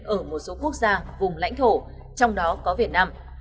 ở một số quốc gia vùng lãnh thổ trong đó có việt nam